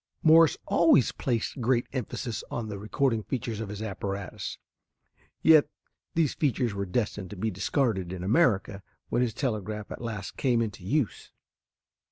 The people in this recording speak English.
Morse always placed great emphasis on the recording features of his apparatus, yet these features were destined to be discarded in America when his telegraph at last came into use.